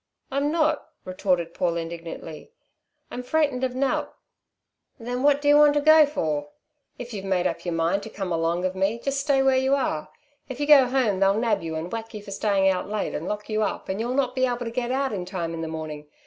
"I'm not," retorted Paul indignantly. "I'm freeten'd of nowt." "Then what d'yer want to go for? If you've made up yer mind to come along of me, just stay where you are. If you go home they'll nab you and whack you for staying out late, and lock you up, and you'll not be able to get out in time in the morning.